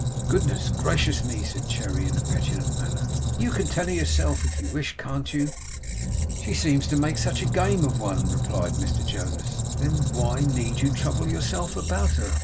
'Good gracious me!' said Cherry, in a petulant manner. 'You can tell her yourself, if you wish, can't you?' 'She seems to make such game of one,' replied Mr Jonas. 'Then why need you trouble yourself about her?